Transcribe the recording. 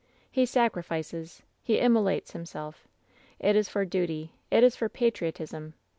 He sacrifices — ^he immolates himself ! It is for duty — ^it is for patriotism!